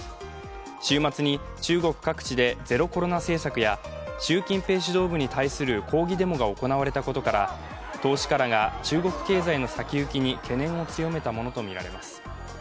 週末に中国各地でゼロコロナ政策や習近平指導部に対する抗議デモが行われたことから投資家らが中国経済の先行きに懸念を強めたものとみられます。